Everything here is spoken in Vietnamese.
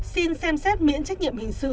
xin xem xét miễn trách nhiệm hình sự